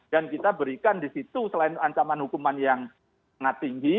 dan kita berikan di situ selain ancaman hukuman yang sangat tinggi